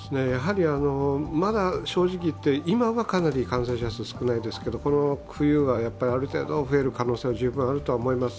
まだ正直言って、今はかなり感染者数が少ないですけどこの冬はある程度、増える可能性が十分あると思います。